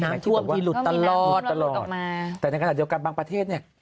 น้ำท่วมที่หลุดตลอดตลอดมาแต่ในขณะเดียวกันบางประเทศเนี่ย